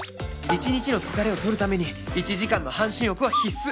一日の疲れをとるために１時間の半身浴は必須